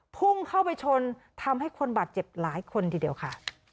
พุ่งเข้าไปชนทำให้คนบาดเจ็บหลายคนทีเดียวค่ะ